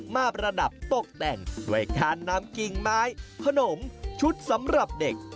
ประดับตกแต่งด้วยการนำกิ่งไม้ขนมชุดสำหรับเด็ก